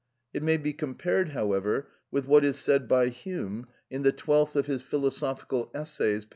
It may be compared, however, with what is said by Hume in the twelfth of his "Philosophical Essays," p.